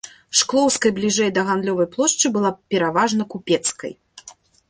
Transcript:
Шклоўскай бліжэй да гандлёвай плошчы была пераважна купецкай.